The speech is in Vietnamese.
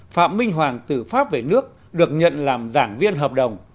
phạm minh hoàng từ pháp về nước được nhận làm giảng viên hợp đồng